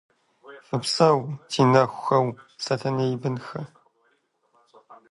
Фыпсэу, ди нэхухэу, сэтэней бынхэ.